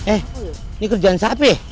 eh ini kerjaan sapi